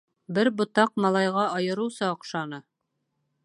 Бер ботаҡ малайға айырыуса оҡшаны.